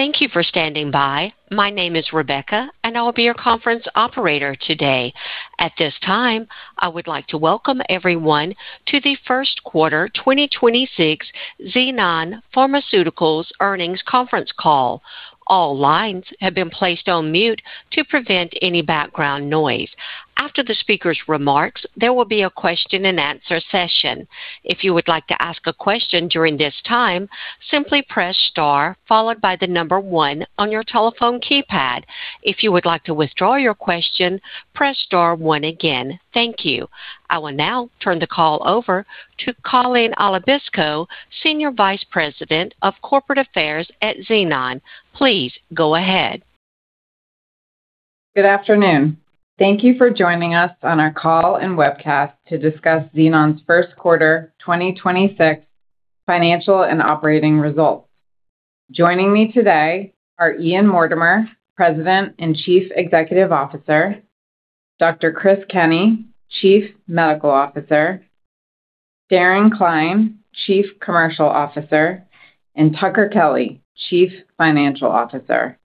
Thank you for standing by. My name is Rebecca, and I'll be your conference operator today. At this time, I would like to welcome everyone to the first quarter 2026 Xenon Pharmaceuticals earnings conference call. All lines have been placed on mute to prevent any background noise. After the speaker's remarks, there will be a question-and-answer session. If you would like to ask a question during this time, simply press star followed by the number one on your telephone keypad. If you would like to withdraw your question, press star one again. Thank you. I will now turn the call over to Colleen Alabiso, Senior Vice President of Corporate Affairs at Xenon. Please go ahead. Good afternoon. Thank you for joining us on our call and webcast to discuss Xenon's first quarter 2026 financial and operating results. Joining me today are Ian Mortimer, President and Chief Executive Officer; Dr. Chris Kenney, Chief Medical Officer; Darren Cline, Chief Commercial Officer; and Tucker Kelly, Chief Financial Officer.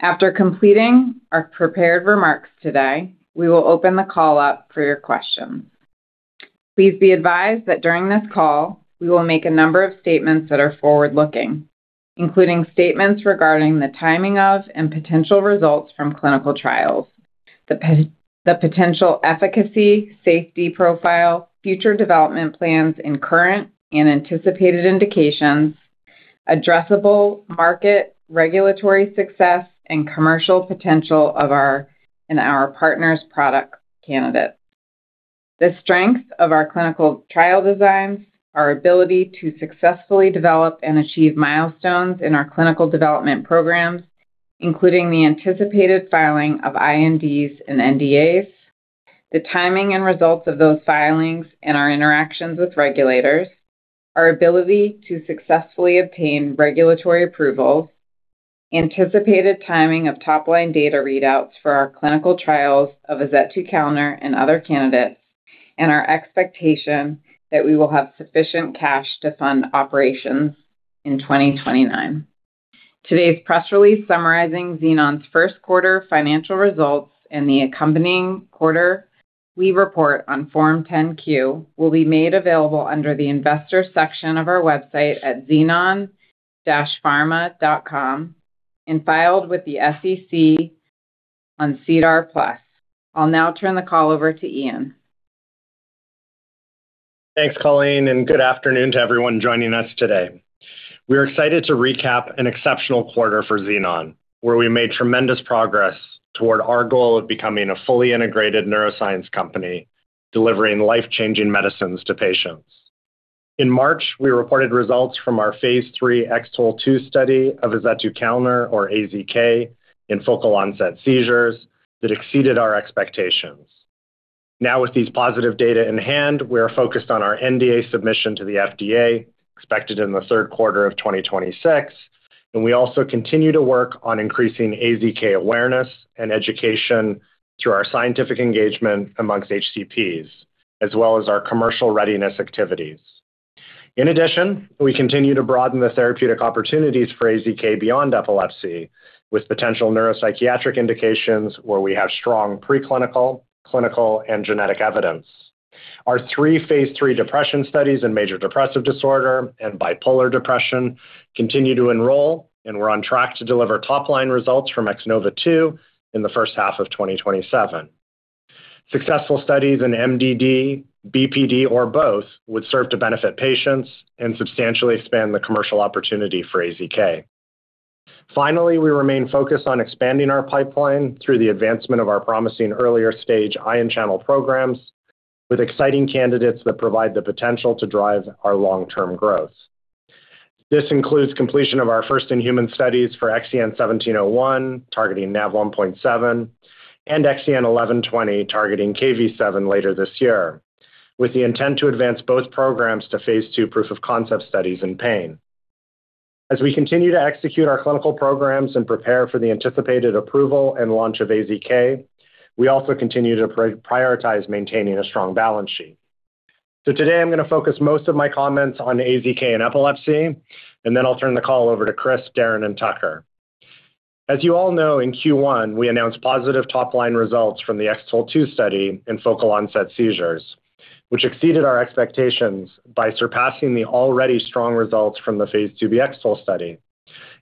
After completing our prepared remarks today, we will open the call up for your questions. Please be advised that during this call, we will make a number of statements that are forward-looking, including statements regarding the timing of and potential results from clinical trials, the potential efficacy, safety profile, future development plans in current and anticipated indications, addressable market, regulatory success, and commercial potential of our and our partners' product candidates. The strength of our clinical trial designs, our ability to successfully develop and achieve milestones in our clinical development programs, including the anticipated filing of INDs and NDAs, the timing and results of those filings and our interactions with regulators, our ability to successfully obtain regulatory approvals, anticipated timing of top-line data readouts for our clinical trials of azetukalner and other candidates, and our expectation that we will have sufficient cash to fund operations in 2029. Today's press release summarizing Xenon's first quarter financial results and the accompanying quarterly report on Form 10-Q will be made available under the Investors section of our website at xenon-pharma.com and filed with the SEC on SEDAR+. I'll now turn the call over to Ian. Thanks, Colleen, and good afternoon to everyone joining us today. We're excited to recap an exceptional quarter for Xenon, where we made tremendous progress toward our goal of becoming a fully integrated neuroscience company delivering life-changing medicines to patients. In March, we reported results from our phase III X-TOLE2 study of azetukalner, or AZK, in focal onset seizures that exceeded our expectations. Now, with these positive data in hand, we are focused on our NDA submission to the FDA, expected in the third quarter of 2026, and we also continue to work on increasing AZK awareness and education through our scientific engagement amongst HCPs, as well as our commercial readiness activities. In addition, we continue to broaden the therapeutic opportunities for AZK beyond epilepsy with potential neuropsychiatric indications where we have strong preclinical, clinical, and genetic evidence. Our three phase III depression studies in major depressive disorder and bipolar depression continue to enroll. We're on track to deliver top-line results from X-NOVA2 in the first half of 2027. Successful studies in MDD, BPD, or both would serve to benefit patients and substantially expand the commercial opportunity for AZK. Finally, we remain focused on expanding our pipeline through the advancement of our promising earlier-stage ion channel programs with exciting candidates that provide the potential to drive our long-term growth. This includes completion of our first-in-human studies for XEN1701 targeting NaV1.7 and XEN1120 targeting Kv7 later this year, with the intent to advance both programs to phase II proof-of-concept studies in pain. As we continue to execute our clinical programs and prepare for the anticipated approval and launch of AZK, we also continue to prioritize maintaining a strong balance sheet. Today I'm going to focus most of my comments on AZK and epilepsy, and then I'll turn the call over to Chris, Darren, and Tucker. As you all know, in Q1, we announced positive top-line results from the X-TOLE2 study in focal onset seizures, which exceeded our expectations by surpassing the already strong results from the phase II-B X-TOLE study,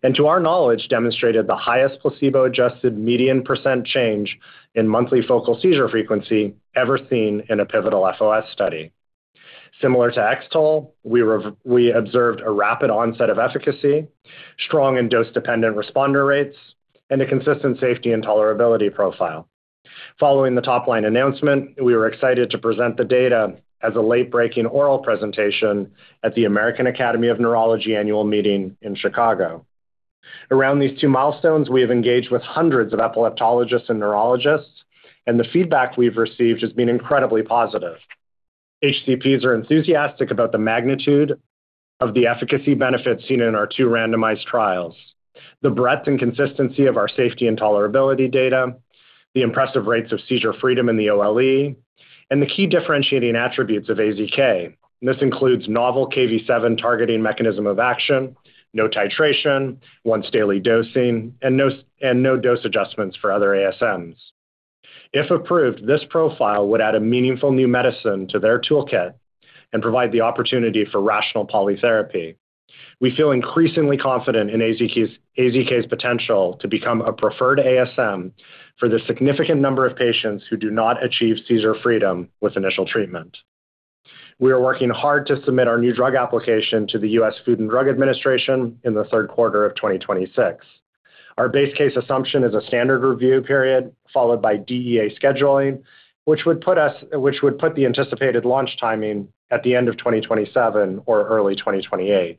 and to our knowledge, demonstrated the highest placebo-adjusted median percent change in monthly focal seizure frequency ever seen in a pivotal FOS study. Similar to X-TOLE, we observed a rapid onset of efficacy, strong and dose-dependent responder rates, and a consistent safety and tolerability profile. Following the top-line announcement, we were excited to present the data as a late-breaking oral presentation at the American Academy of Neurology annual meeting in Chicago. Around these two milestones, we have engaged with hundreds of epileptologists and neurologists, the feedback we've received has been incredibly positive. HCPs are enthusiastic about the magnitude of the efficacy benefits seen in our two randomized trials, the breadth and consistency of our safety and tolerability data, the impressive rates of seizure freedom in the OLE, and the key differentiating attributes of AZK. This includes novel Kv7 targeting mechanism of action, no titration, once-daily dosing, and no dose adjustments for other ASMs. If approved, this profile would add a meaningful new medicine to their toolkit and provide the opportunity for rational polytherapy. We feel increasingly confident in AZK's potential to become a preferred ASM for the significant number of patients who do not achieve seizure freedom with initial treatment. We are working hard to submit our new drug application to the U.S. Food and Drug Administration in the third quarter of 2026. Our base case assumption is a standard review period followed by DEA scheduling, which would put the anticipated launch timing at the end of 2027 or early 2028.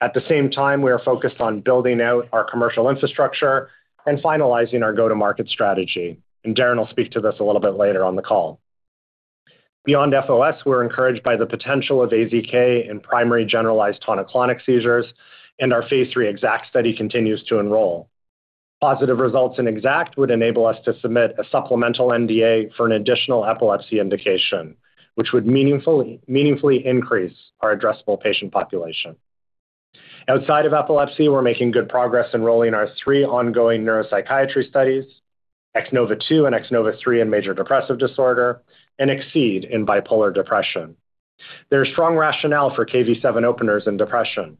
At the same time, we are focused on building out our commercial infrastructure and finalizing our go-to-market strategy. Darren will speak to this a little bit later on the call. Beyond FOS, we're encouraged by the potential of AZK in primary generalized tonic-clonic seizures and our phase III X-ACKT study continues to enroll. Positive results in X-ACKT would enable us to submit a supplemental NDA for an additional epilepsy indication, which would meaningfully increase our addressable patient population. Outside of epilepsy, we're making good progress enrolling our three ongoing neuropsychiatry studies, X-NOVA2 and X-NOVA3 in major depressive disorder, and X-CEED in bipolar depression. There's strong rationale for Kv7 openers in depression.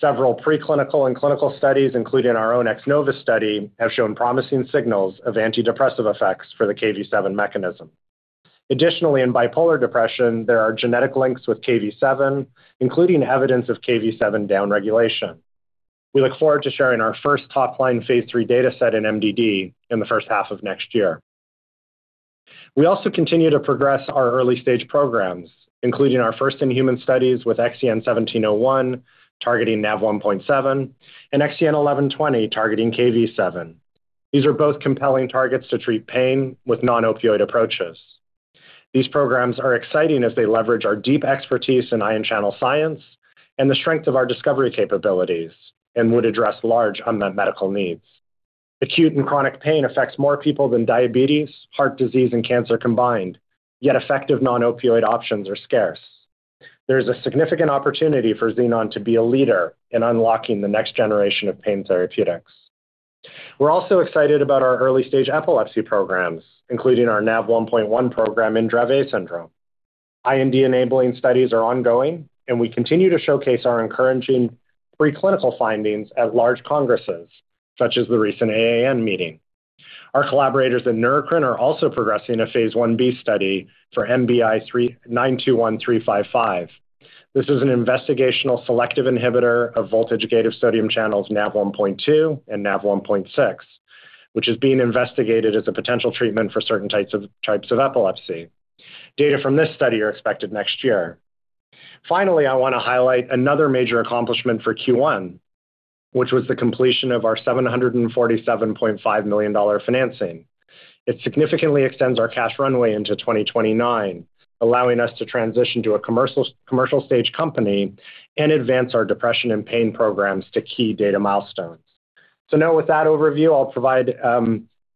Several preclinical and clinical studies, including our own X-NOVA study, have shown promising signals of antidepressive effects for the Kv7 mechanism. Additionally, in bipolar depression, there are genetic links with Kv7, including evidence of Kv7 downregulation. We look forward to sharing our first top-line phase III data set in MDD in the first half of next year. We also continue to progress our early-stage programs, including our first-in-human studies with XEN1701 targeting NaV1.7 and XEN1120 targeting Kv7. These are both compelling targets to treat pain with non-opioid approaches. These programs are exciting as they leverage our deep expertise in ion channel science and the strength of our discovery capabilities and would address large unmet medical needs. Acute and chronic pain affects more people than diabetes, heart disease, and cancer combined, yet effective non-opioid options are scarce. There's a significant opportunity for Xenon to be a leader in unlocking the next generation of pain therapeutics. We're also excited about our early-stage epilepsy programs, including our NaV1.1 program in Dravet syndrome. IND-enabling studies are ongoing, and we continue to showcase our encouraging preclinical findings at large congresses, such as the recent AAN meeting. Our collaborators at Neurocrine are also progressing a phase I-B study for NBI-921355. This is an investigational selective inhibitor of voltage-gated sodium channels NaV1.2 and NaV1.6, which is being investigated as a potential treatment for certain types of epilepsy. Data from this study are expected next year. I want to highlight another major accomplishment for Q1, which was the completion of our $747.5 million financing. It significantly extends our cash runway into 2029, allowing us to transition to a commercial stage company and advance our depression and pain programs to key data milestones. With that overview, I'll provide,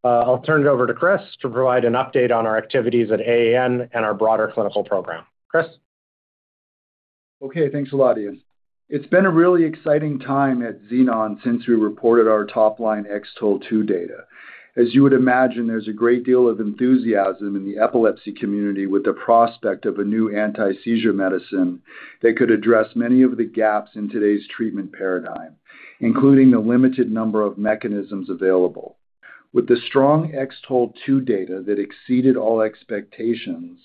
I'll turn it over to Chris to provide an update on our activities at AAN and our broader clinical program. Chris? Thanks a lot, Ian. It's been a really exciting time at Xenon since we reported our top-line X-TOLE2 data. As you would imagine, there's a great deal of enthusiasm in the epilepsy community with the prospect of a new anti-seizure medicine that could address many of the gaps in today's treatment paradigm, including the limited number of mechanisms available. With the strong X-TOLE2 data that exceeded all expectations,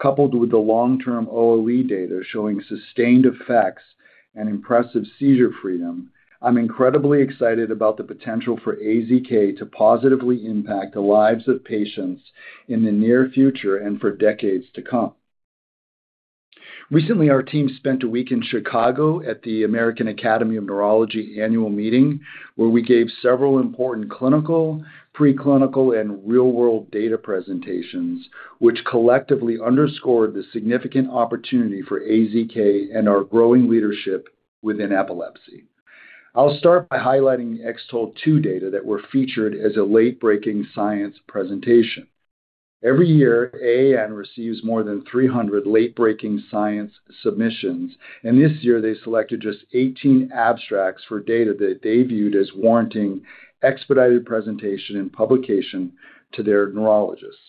coupled with the long-term OLE data showing sustained effects and impressive seizure freedom, I'm incredibly excited about the potential for AZK to positively impact the lives of patients in the near future and for decades to come. Recently, our team spent a week in Chicago at the American Academy of Neurology annual meeting, where we gave several important clinical, preclinical, and real-world data presentations, which collectively underscored the significant opportunity for AZK and our growing leadership within epilepsy. I'll start by highlighting the X-TOLE2 data that were featured as a late-breaking science presentation. Every year, AAN receives more than 300 late-breaking science submissions, and this year they selected just 18 abstracts for data that they viewed as warranting expedited presentation and publication to their neurologists.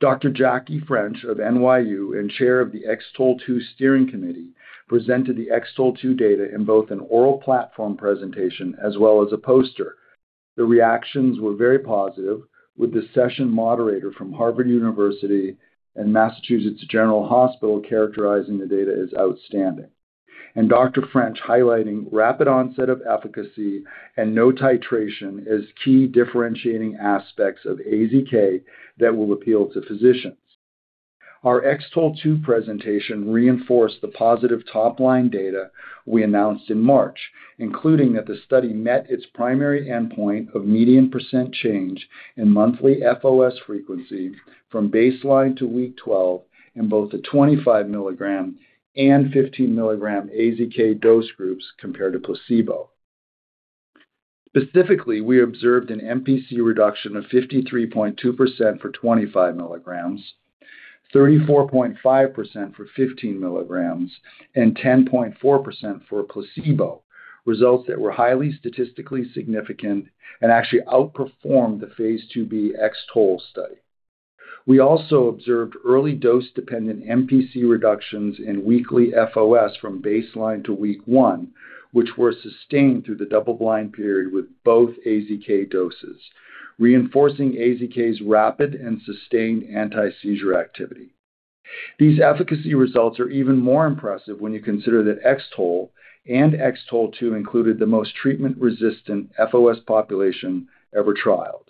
Dr. Jacqueline French of NYU and chair of the X-TOLE2 steering committee presented the X-TOLE2 data in both an oral platform presentation as well as a poster. The reactions were very positive, with the session moderator from Harvard University and Massachusetts General Hospital characterizing the data as outstanding, and Dr. French highlighting rapid onset of efficacy and no titration as key differentiating aspects of AZK that will appeal to physicians. Our X-TOLE2 presentation reinforced the positive top-line data we announced in March, including that the study met its primary endpoint of median % change in monthly FOS frequency from baseline to week 12 in both the 25 mg and 15 mg AZK dose groups compared to placebo. Specifically, we observed an MPC reduction of 53.2% for 25 mg, 34.5% for 15 mg, and 10.4% for placebo, results that were highly statistically significant and actually outperformed the phase II-B X-TOLE study. We also observed early dose-dependent MPC reductions in weekly FOS from baseline to week one, which were sustained through the double-blind period with both AZK doses, reinforcing AZK's rapid and sustained anti-seizure activity. These efficacy results are even more impressive when you consider that X-TOLE and X-TOLE2 included the most treatment-resistant FOS population ever trialed.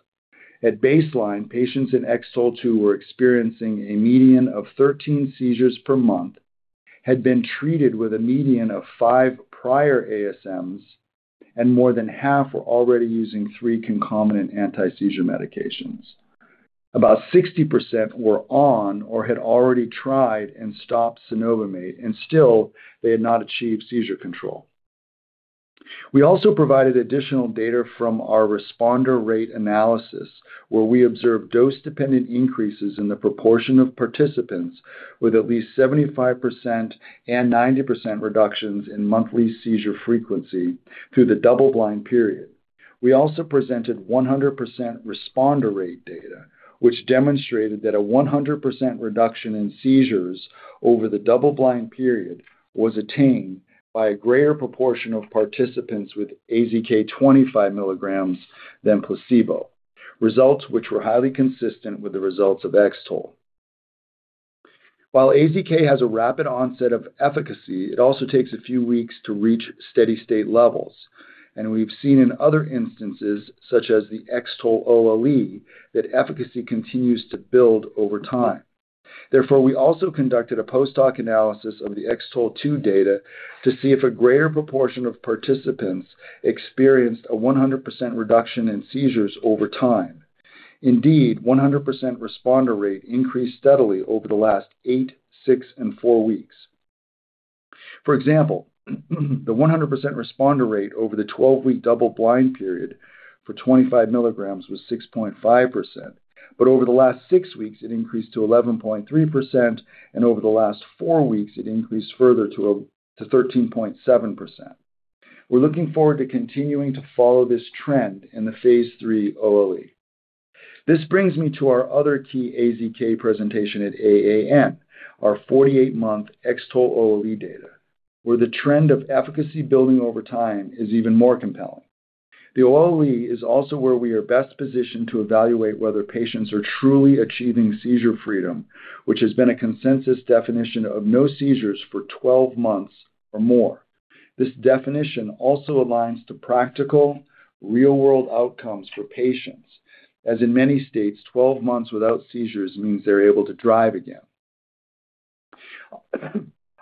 At baseline, patients in X-TOLE2 were experiencing a median of 13 seizures per month, had been treated with a median of five prior ASMs, and more than half were already using three concomitant anti-seizure medications. About 60% were on or had already tried and stopped cenobamate, and still they had not achieved seizure control. We also provided additional data from our responder rate analysis, where we observed dose-dependent increases in the proportion of participants with at least 75% and 90% reductions in monthly seizure frequency through the double-blind period. We also presented 100% responder rate data, which demonstrated that a 100% reduction in seizures over the double-blind period was attained by a greater proportion of participants with AZK 25 mg than placebo. Results which were highly consistent with the results of X-TOLE. While AZK has a rapid onset of efficacy, it also takes a few weeks to reach steady-state levels, and we've seen in other instances, such as the X-TOLE OLE, that efficacy continues to build over time. We also conducted a post-hoc analysis of the X-TOLE2 data to see if a greater proportion of participants experienced a 100% reduction in seizures over time. 100% responder rate increased steadily over the last eight, six, and four weeks. The 100% responder rate over the 12-week double-blind period for 25 mg was 6.5%. Over the last six weeks, it increased to 11.3%, and over the last four weeks, it increased further to 13.7%. We're looking forward to continuing to follow this trend in the phase III OLE. This brings me to our other key AZK presentation at AAN, our 48-month X-TOLE OLE data, where the trend of efficacy building over time is even more compelling. The OLE is also where we are best positioned to evaluate whether patients are truly achieving seizure freedom, which has been a consensus definition of no seizures for 12 months or more. This definition also aligns to practical, real-world outcomes for patients. As in many states, 12 months without seizures means they're able to drive again.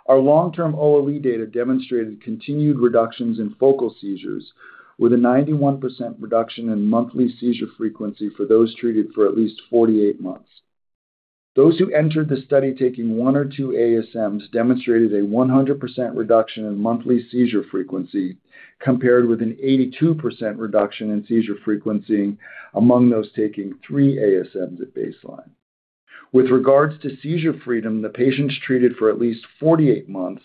Our long-term OLE data demonstrated continued reductions in focal seizures with a 91% reduction in monthly seizure frequency for those treated for at least 48 months. Those who entered the study taking one or two ASMs demonstrated a 100% reduction in monthly seizure frequency, compared with an 82% reduction in seizure frequency among those taking three ASMs at baseline. With regards to seizure freedom, the patients treated for at least 48 months,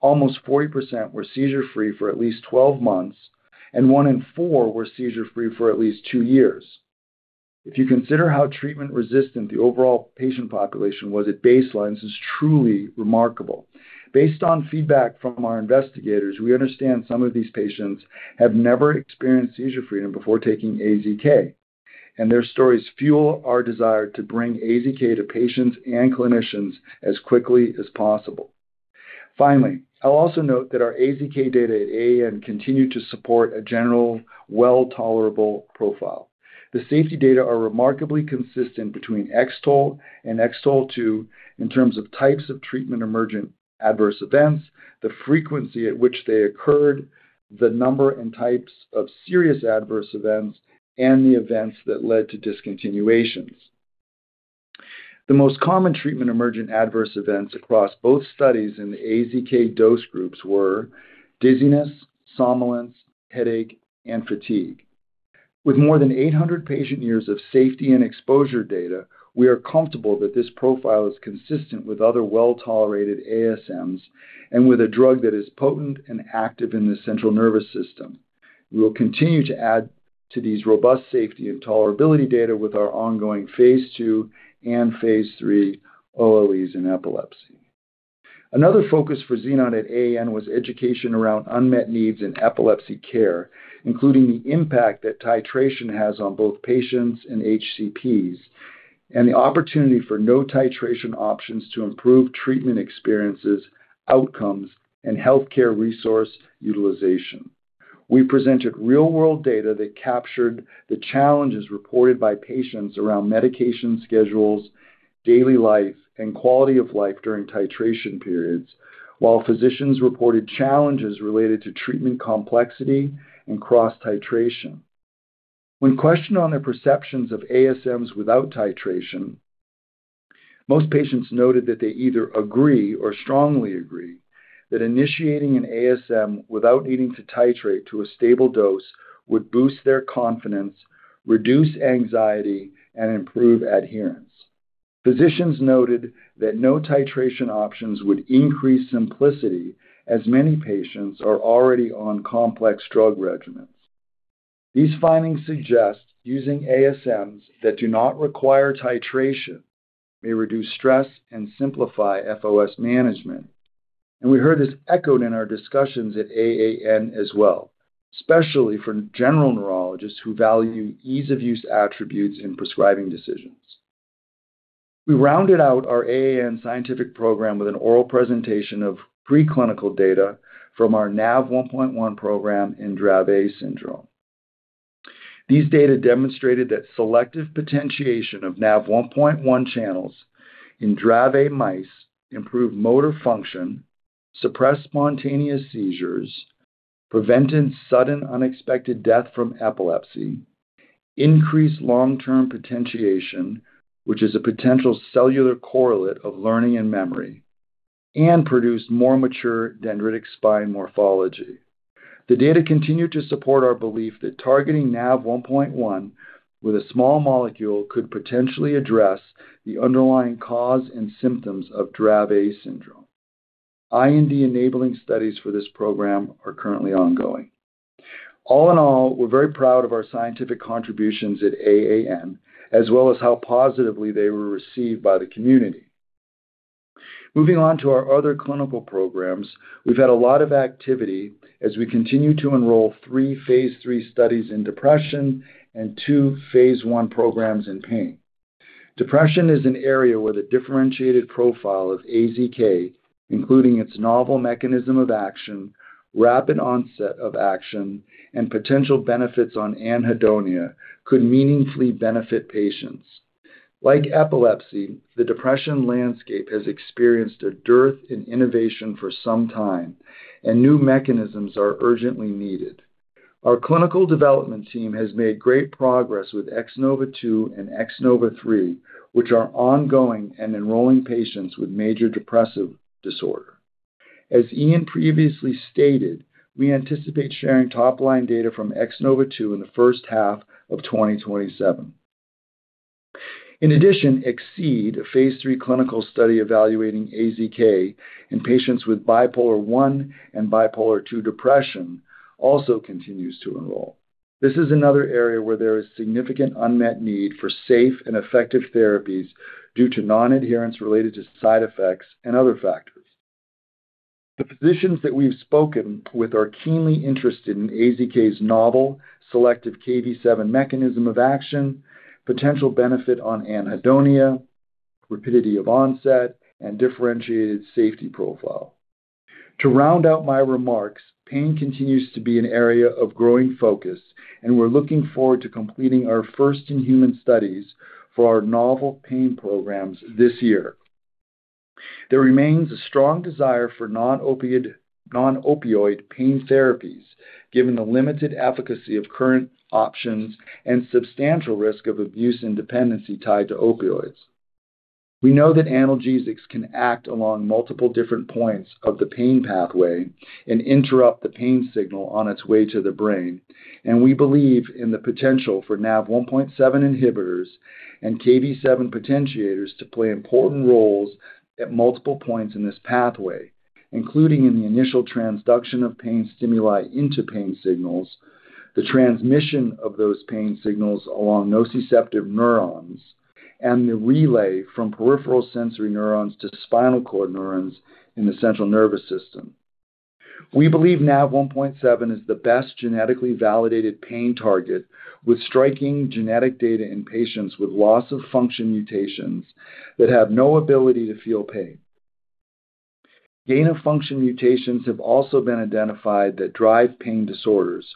almost 40% were seizure-free for at least 12 months, and one in four were seizure-free for at least two years. If you consider how treatment-resistant the overall patient population was at baseline, this is truly remarkable. Based on feedback from our investigators, we understand some of these patients have never experienced seizure freedom before taking AZK. Their stories fuel our desire to bring AZK to patients and clinicians as quickly as possible. Finally, I'll also note that our AZK data at AAN continue to support a general well-tolerable profile. The safety data are remarkably consistent between X-TOLE and X-TOLE2 in terms of types of treatment-emergent adverse events, the frequency at which they occurred, the number and types of serious adverse events, and the events that led to discontinuations. The most common treatment-emergent adverse events across both studies in the AZK dose groups were dizziness, somnolence, headache, and fatigue. With more than 800 patient years of safety and exposure data, we are comfortable that this profile is consistent with other well-tolerated ASMs and with a drug that is potent and active in the central nervous system. We will continue to add to these robust safety and tolerability data with our ongoing phase II and phase III OLEs in epilepsy. Another focus for Xenon at AAN was education around unmet needs in epilepsy care, including the impact that titration has on both patients and HCPs, and the opportunity for no titration options to improve treatment experiences, outcomes, and healthcare resource utilization. We presented real-world data that captured the challenges reported by patients around medication schedules, daily life, and quality of life during titration periods, while physicians reported challenges related to treatment complexity and cross-titration. When questioned on their perceptions of ASMs without titration, most patients noted that they either agree or strongly agree that initiating an ASM without needing to titrate to a stable dose would boost their confidence, reduce anxiety, and improve adherence. Physicians noted that no titration options would increase simplicity, as many patients are already on complex drug regimens. These findings suggest using ASMs that do not require titration may reduce stress and simplify FOS management. We heard this echoed in our discussions at AAN as well, especially for general neurologists who value ease-of-use attributes in prescribing decisions. We rounded out our AAN scientific program with an oral presentation of preclinical data from our NaV1.1 program in Dravet syndrome. These data demonstrated that selective potentiation of NaV1.1 channels in Dravet mice improved motor function, suppressed spontaneous seizures, prevented sudden unexpected death from epilepsy, increased long-term potentiation, which is a potential cellular correlate of learning and memory, and produced more mature dendritic spine morphology. The data continue to support our belief that targeting NaV1.1 with a small molecule could potentially address the underlying cause and symptoms of Dravet syndrome. IND-enabling studies for this program are currently ongoing. All in all, we're very proud of our scientific contributions at AAN, as well as how positively they were received by the community. Moving on to our other clinical programs, we've had a lot of activity as we continue to enroll three phase III studies in depression and two phase I programs in pain. Depression is an area where the differentiated profile of AZK, including its novel mechanism of action, rapid onset of action, and potential benefits on anhedonia, could meaningfully benefit patients. Like epilepsy, the depression landscape has experienced a dearth in innovation for some time, and new mechanisms are urgently needed. Our clinical development team has made great progress with X-NOVA2 and X-NOVA3, which are ongoing and enrolling patients with major depressive disorder. As Ian previously stated, we anticipate sharing top-line data from X-NOVA2 in the first half of 2027. In addition, X-CEED, a phase III clinical study evaluating AZK in patients with bipolar 1 and bipolar 2 depression, also continues to enroll. This is another area where there is significant unmet need for safe and effective therapies due to non-adherence related to side effects and other factors. The physicians that we've spoken with are keenly interested in AZK's novel selective Kv7 mechanism of action, potential benefit on anhedonia, rapidity of onset, and differentiated safety profile. To round out my remarks, pain continues to be an area of growing focus, and we're looking forward to completing our first-in-human studies for our novel pain programs this year. There remains a strong desire for non-opioid pain therapies, given the limited efficacy of current options and substantial risk of abuse and dependency tied to opioids. We know that analgesics can act along multiple different points of the pain pathway and interrupt the pain signal on its way to the brain, and we believe in the potential for NaV1.7 inhibitors and Kv7 potentiators to play important roles at multiple points in this pathway, including in the initial transduction of pain stimuli into pain signals, the transmission of those pain signals along nociceptive neurons, and the relay from peripheral sensory neurons to spinal cord neurons in the central nervous system. We believe NaV1.7 is the best genetically validated pain target with striking genetic data in patients with loss-of-function mutations that have no ability to feel pain. Gain-of-function mutations have also been identified that drive pain disorders,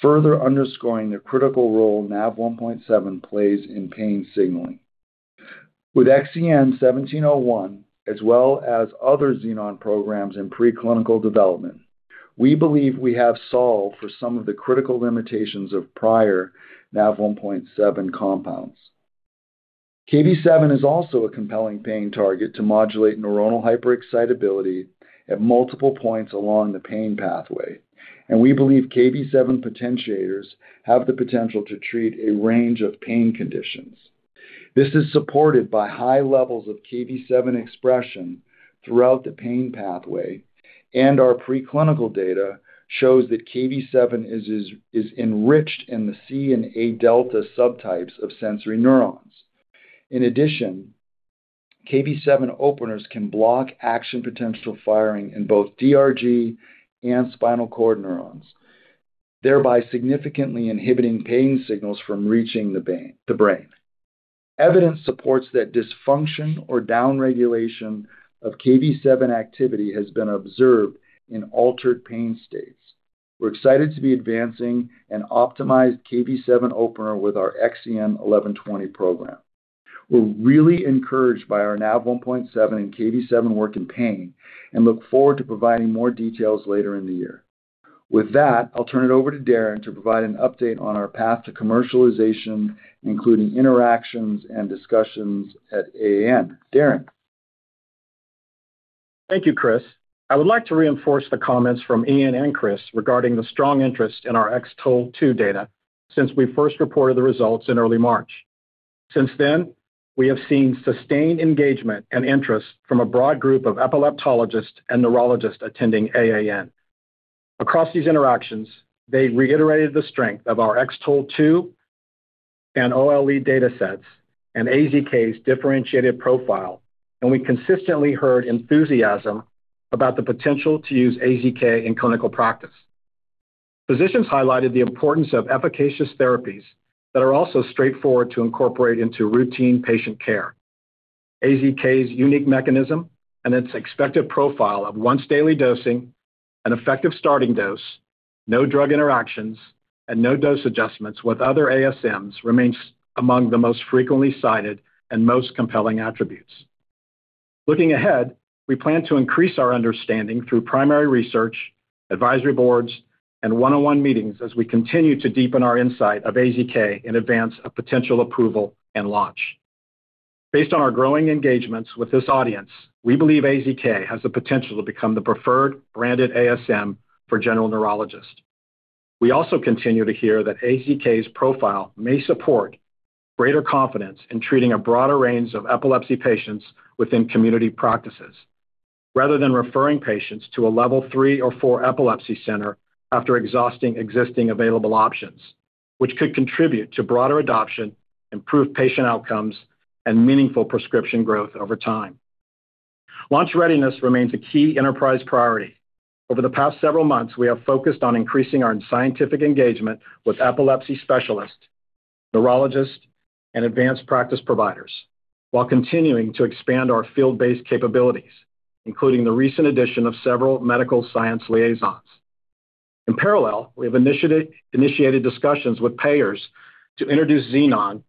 further underscoring the critical role NaV1.7 plays in pain signaling. With XEN1701, as well as other Xenon programs in preclinical development, we believe we have solved for some of the critical limitations of prior NaV1.7 compounds. Kv7 is also a compelling pain target to modulate neuronal hyperexcitability at multiple points along the pain pathway, and we believe Kv7 potentiators have the potential to treat a range of pain conditions. This is supported by high levels of Kv7 expression throughout the pain pathway, and our preclinical data shows that Kv7 is enriched in the C and A delta subtypes of sensory neurons. In addition, Kv7 openers can block action potential firing in both DRG and spinal cord neurons, thereby significantly inhibiting pain signals from reaching the brain. Evidence supports that dysfunction or downregulation of Kv7 activity has been observed in altered pain states. We're excited to be advancing an optimized Kv7 opener with our XEN1120 program. We're really encouraged by our NaV1.7 and Kv7 work in pain and look forward to providing more details later in the year. With that, I'll turn it over to Darren to provide an update on our path to commercialization, including interactions and discussions at AAN. Darren. Thank you, Chris. I would like to reinforce the comments from Ian and Chris regarding the strong interest in our X-TOLE2 data since we first reported the results in early March. Since then, we have seen sustained engagement and interest from a broad group of epileptologists and neurologists attending AAN. Across these interactions, they reiterated the strength of our X-TOLE2 and OLE data sets, and we consistently heard enthusiasm about the potential to use AZK in clinical practice. Physicians highlighted the importance of efficacious therapies that are also straightforward to incorporate into routine patient care. AZK's unique mechanism and its expected profile of once-daily dosing, an effective starting dose, no drug interactions, and no dose adjustments with other ASMs remains among the most frequently cited and most compelling attributes. Looking ahead, we plan to increase our understanding through primary research, advisory boards, and one-on-one meetings as we continue to deepen our insight of AZK in advance of potential approval and launch. Based on our growing engagements with this audience, we believe AZK has the potential to become the preferred branded ASM for general neurologists. We also continue to hear that AZK's profile may support greater confidence in treating a broader range of epilepsy patients within community practices, rather than referring patients to a level 3 or 4 epilepsy center after exhausting existing available options, which could contribute to broader adoption, improved patient outcomes, and meaningful prescription growth over time. Launch readiness remains a key enterprise priority. Over the past several months, we have focused on increasing our scientific engagement with epilepsy specialists, neurologists, and advanced practice providers while continuing to expand our field-based capabilities, including the recent addition of several medical science liaisons. In parallel, we have initiated discussions with payers to introduce Xenon,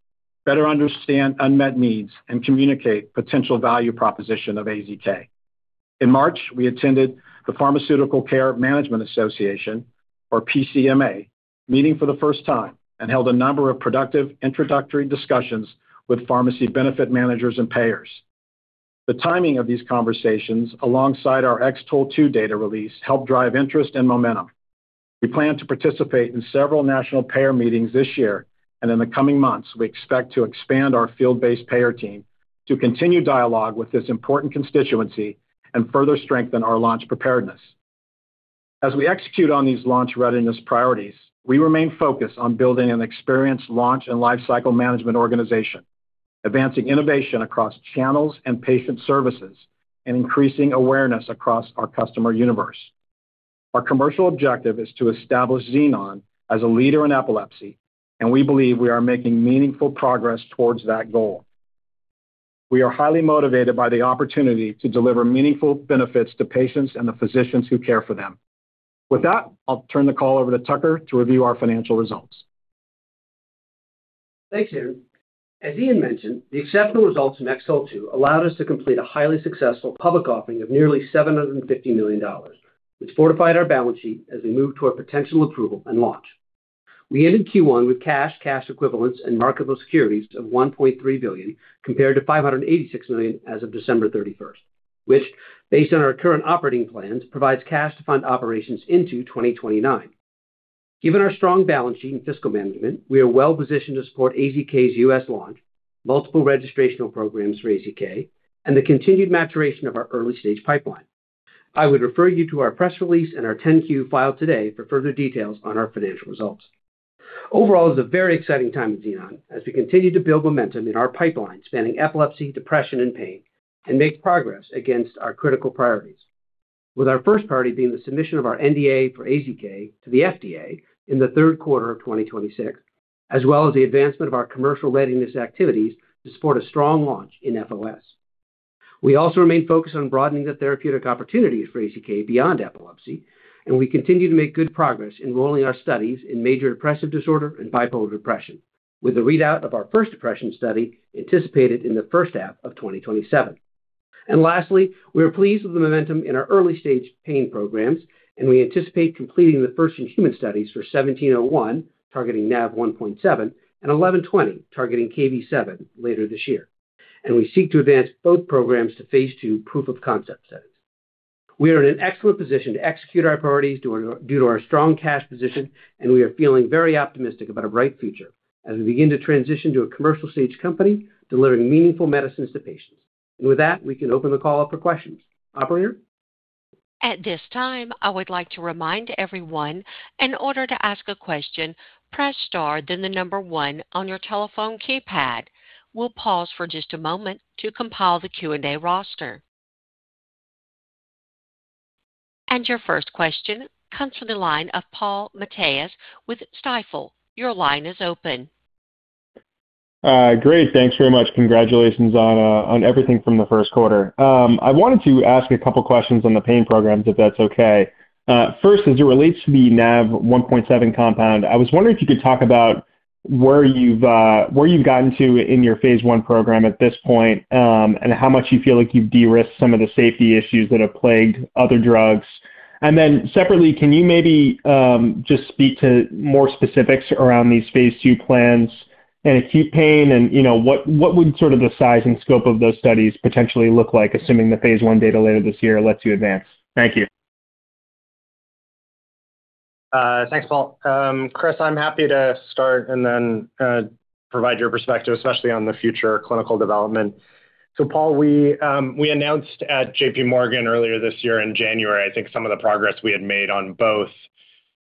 better understand unmet needs, and communicate potential value proposition of AZK. In March, we attended the Pharmaceutical Care Management Association, or PCMA, meeting for the first time and held a number of productive introductory discussions with pharmacy benefit managers and payers. The timing of these conversations, alongside our X-TOLE2 data release, helped drive interest and momentum. We plan to participate in several national payer meetings this year. In the coming months, we expect to expand our field-based payer team to continue dialogue with this important constituency and further strengthen our launch preparedness. As we execute on these launch readiness priorities, we remain focused on building an experienced launch and lifecycle management organization, advancing innovation across channels and patient services, and increasing awareness across our customer universe. Our commercial objective is to establish Xenon as a leader in epilepsy, and we believe we are making meaningful progress towards that goal. We are highly motivated by the opportunity to deliver meaningful benefits to patients and the physicians who care for them. With that, I'll turn the call over to Tucker to review our financial results. Thanks, Darren. As Ian mentioned, the exceptional results in X-TOLE2 allowed us to complete a highly successful public offering of nearly $750 million, which fortified our balance sheet as we move toward potential approval and launch. We ended Q1 with cash equivalents, and marketable securities of $1.3 billion, compared to $586 million as of December 31st, which, based on our current operating plans, provides cash to fund operations into 2029. Given our strong balance sheet and fiscal management, we are well-positioned to support AZK's U.S. launch, multiple registrational programs for AZK, and the continued maturation of our early-stage pipeline. I would refer you to our press release and our 10-Q filed today for further details on our financial results. Overall, it is a very exciting time at Xenon as we continue to build momentum in our pipeline, spanning epilepsy, depression, and pain, and make progress against our critical priorities, with our first priority being the submission of our NDA for AZK to the FDA in the third quarter of 2026, as well as the advancement of our commercial readiness activities to support a strong launch in FOS. We also remain focused on broadening the therapeutic opportunities for AZK beyond epilepsy, and we continue to make good progress enrolling our studies in major depressive disorder and bipolar depression, with the readout of our first depression study anticipated in the first half of 2027. Lastly, we are pleased with the momentum in our early-stage pain programs, and we anticipate completing the first in-human studies for XEN1701, targeting NaV1.7, and XEN1120, targeting Kv7, later this year. We seek to advance both programs to phase II proof-of-concept settings. We are in an excellent position to execute our priorities due to our strong cash position, and we are feeling very optimistic about a bright future as we begin to transition to a commercial-stage company delivering meaningful medicines to patients. With that, we can open the call up for questions. Operator? At this time, I would like to remind everyone, in order to ask a question, press star then the number one on your telephone keypad. We'll pause for just a moment to compile the Q&A roster. Your first question comes from the line of Paul Matteis with Stifel. Your line is open. Great. Thanks very much. Congratulations on everything from the first quarter. I wanted to ask a couple questions on the pain program, if that's okay. First, as it relates to the NaV1.7 compound, I was wondering if you could talk about where you've, where you've gotten to in your phase I program at this point, and how much you feel like you've de-risked some of the safety issues that have plagued other drugs. Separately, can you maybe just speak to more specifics around these phase II plans and acute pain and, you know, what would sort of the size and scope of those studies potentially look like, assuming the phase I data later this year lets you advance? Thank you. Thanks, Paul. Chris, I'm happy to start and then provide your perspective, especially on the future clinical development. Paul, we announced at JPMorgan earlier this year in January, I think some of the progress we had made on both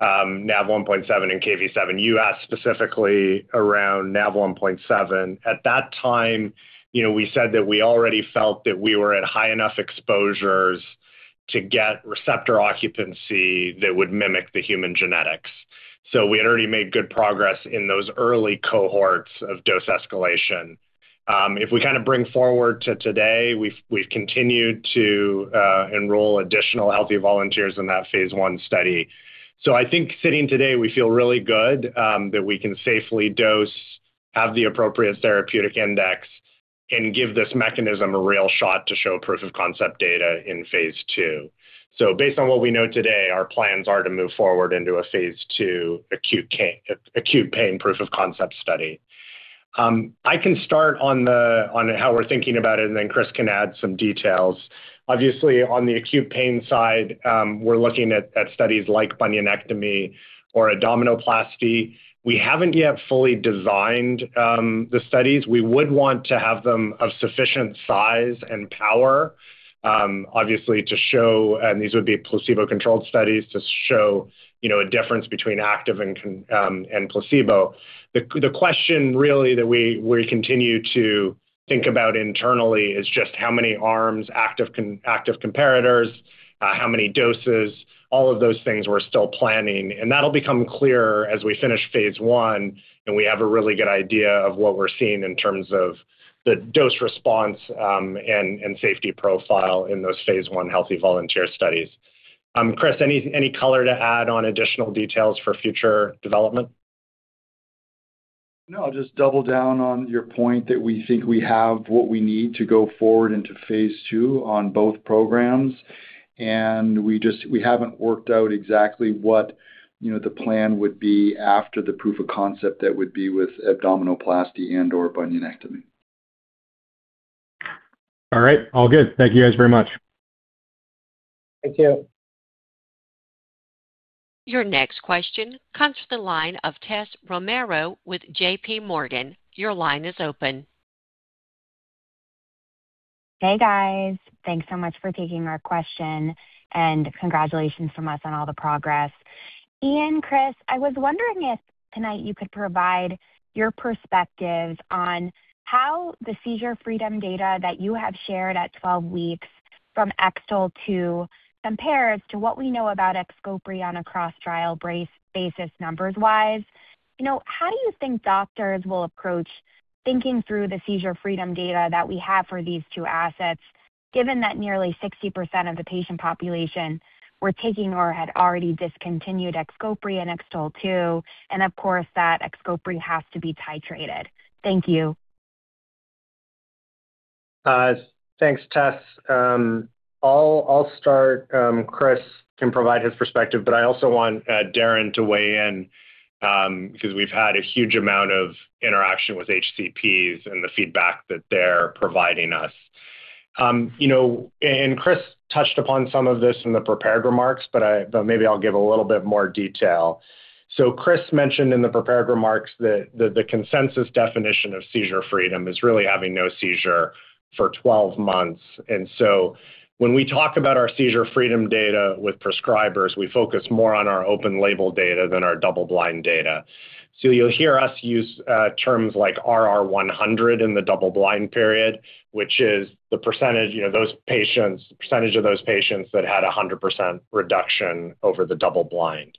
NaV1.7 and Kv7. You asked specifically around NaV1.7. At that time, you know, we said that we already felt that we were at high enough exposures to get receptor occupancy that would mimic the human genetics. We had already made good progress in those early cohorts of dose escalation. If we kind of bring forward to today, we've continued to enroll additional healthy volunteers in that phase I study. I think sitting today, we feel really good that we can safely dose, have the appropriate therapeutic index, and give this mechanism a real shot to show proof of concept data in phase II. Based on what we know today, our plans are to move forward into a phase II acute pain proof of concept study. I can start on the, on how we're thinking about it, and then Chris can add some details. Obviously, on the acute pain side, we're looking at studies like bunionectomy or abdominoplasty. We haven't yet fully designed the studies. We would want to have them of sufficient size and power, obviously to show, and these would be placebo-controlled studies to show, you know, a difference between active and placebo. The question really that we continue to think about internally is just how many arms, active comparators, how many doses, all of those things we're still planning. That'll become clearer as we finish phase I, and we have a really good idea of what we're seeing in terms of the dose response, and safety profile in those phase I healthy volunteer studies. Chris, any color to add on additional details for future development? No, I'll just double down on your point that we think we have what we need to go forward into phase II on both programs. We just, we haven't worked out exactly what, you know, the plan would be after the proof of concept that would be with abdominoplasty and/or bunionectomy. All right. All good. Thank you guys very much. Thank you. Your next question comes from the line of Tess Romero with JPMorgan. Your line is open. Hey, guys. Thanks so much for taking our question. Congratulations from us on all the progress. Ian, Chris, I was wondering if tonight you could provide your perspectives on how the seizure freedom data that you have shared at 12 weeks from X-TOLE2 compare as to what we know about XCOPRI on a cross-trial basis numbers-wise. You know, how do you think doctors will approach thinking through the seizure freedom data that we have for these two assets, given that nearly 60% of the patient population were taking or had already discontinued XCOPRI and X-TOLE2? Of course, XCOPRI has to be titrated? Thank you. Thanks, Tess. I'll start. Chris can provide his perspective, but I also want Darren to weigh in, because we've had a huge amount of interaction with HCPs and the feedback that they're providing us. You know, Chris touched upon some of this in the prepared remarks, but maybe I'll give a little bit more detail. Chris mentioned in the prepared remarks that the consensus definition of seizure freedom is really having no seizure for 12 months. When we talk about our seizure freedom data with prescribers, we focus more on our open label data than our double blind data. You'll hear us use terms like RR100 in the double blind period, which is the percentage, you know, those patients, percentage of those patients that had a 100% reduction over the double blind.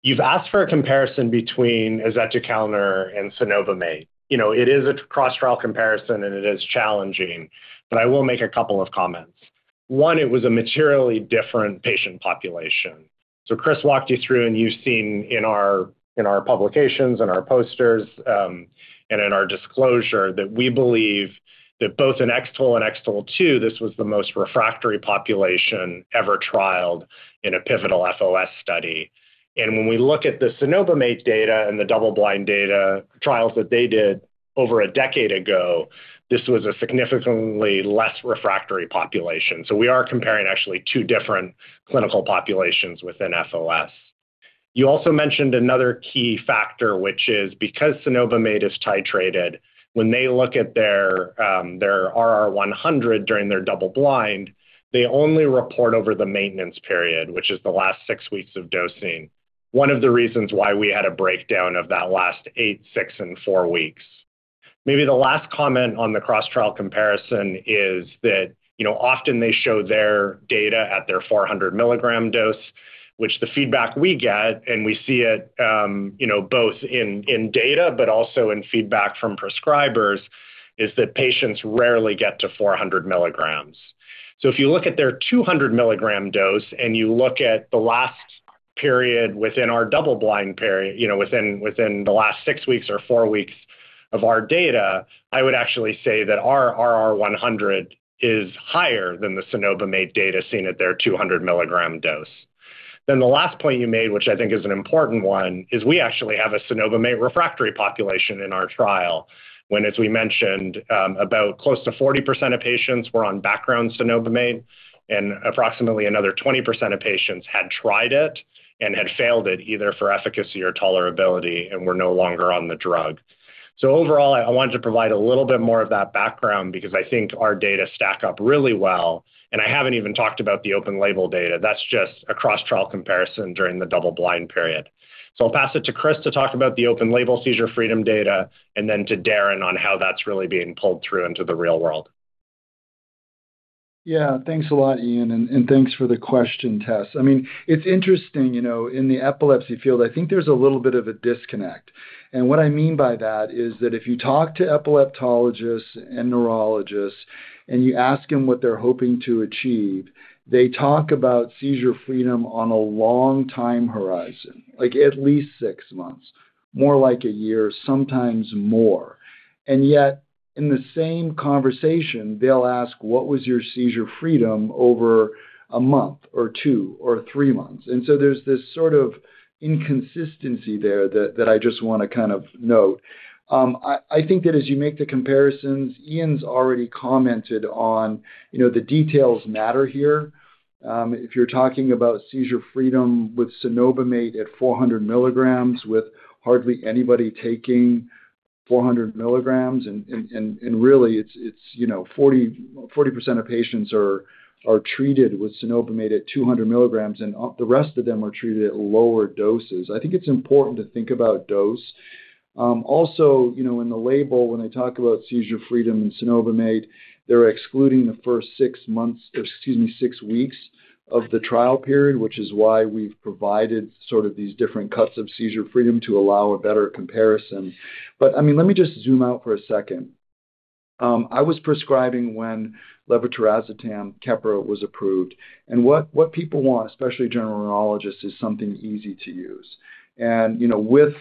You've asked for a comparison between azetukalner and cenobamate. You know, it is a cross-trial comparison, and it is challenging, but I will make a couple of comments. One, it was a materially different patient population. Chris walked you through, and you've seen in our, in our publications and our posters, and in our disclosure that we believe that both in X-TOLE and X-TOLE2, this was the most refractory population ever trialed in a pivotal FOS study. When we look at the cenobamate data and the double-blind data trials that they did over a decade ago, this was a significantly less refractory population. We are comparing actually two different clinical populations within FOS. You also mentioned another key factor, which is because cenobamate is titrated, when they look at their RR100 during their double blind, they only report over the maintenance period, which is the last six weeks of dosing. One of the reasons why we had a breakdown of that last eight, six and four weeks. Maybe the last comment on the cross-trial comparison is that, you know, often they show their data at their 400 mg dose, which the feedback we get, and we see it, you know, both in data but also in feedback from prescribers is that patients rarely get to 400 mg. If you look at their 200 mg dose and you look at the last period within our double blind period, within the last six weeks or four weeks of our data, I would actually say that our RR100 is higher than the cenobamate data seen at their 200 mg dose. The last point you made, which I think is an important one, is we actually have a cenobamate refractory population in our trial. When, as we mentioned, about close to 40% of patients were on background cenobamate, and approximately another 20% of patients had tried it and had failed it either for efficacy or tolerability and were no longer on the drug. Overall, I wanted to provide a little bit more of that background because I think our data stack up really well, and I haven't even talked about the open label data. That's just a cross-trial comparison during the double-blind period. I'll pass it to Chris to talk about the open label seizure freedom data and then to Darren on how that's really being pulled through into the real world. Thanks a lot, Ian, and thanks for the question, Tess. I mean, it's interesting, you know, in the epilepsy field, I think there's a little bit of a disconnect. What I mean by that is that if you talk to epileptologists and neurologists and you ask them what they're hoping to achieve, they talk about seizure freedom on a long time horizon, like at least six months, more like one year, sometimes more. Yet in the same conversation, they'll ask, "What was your seizure freedom over one month or two or three months?" There's this sort of inconsistency there that I just wanna kind of note. I think that as you make the comparisons, Ian's already commented on, you know, the details matter here. If you're talking about seizure freedom with cenobamate at 400 mg, with hardly anybody taking 400 mg, and really it's, you know, 40% of patients are treated with cenobamate at 200 mg, the rest of them are treated at lower doses. I think it's important to think about dose. Also, you know, in the label, when they talk about seizure freedom and cenobamate, they're excluding the first six months or excuse me, six weeks of the trial period, which is why we've provided sort of these different cuts of seizure freedom to allow a better comparison. I mean, let me just zoom out for a second. I was prescribing when levetiracetam Keppra was approved. What people want, especially general neurologists, is something easy to use. You know, with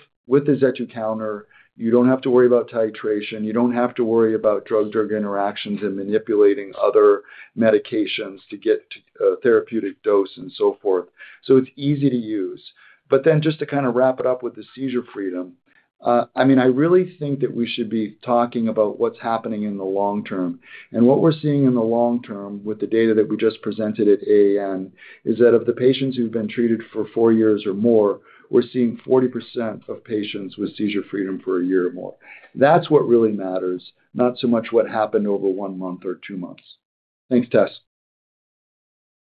azetukalner, you don't have to worry about titration, you don't have to worry about drug-drug interactions and manipulating other medications to get a therapeutic dose and so forth. It's easy to use. Just to kind of wrap it up with the seizure freedom, I mean, I really think that we should be talking about what's happening in the long term. What we're seeing in the long term with the data that we just presented at AAN is that of the patients who've been treated for four years or more, we're seeing 40% of patients with seizure freedom for one year or more. That's what really matters, not so much what happened over one month or two months. Thanks, Tess.